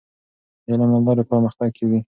د علم له لارې پرمختګ کیږي.